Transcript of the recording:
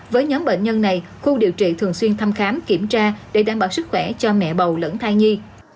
với nhóm bệnh nhân này khu điều trị thường xuyên thăm khám kiểm tra để đảm bảo sức khỏe cho mẹ bầu lẫn thai nhi